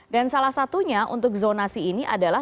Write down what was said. dan salah satunya untuk zonasi ini adalah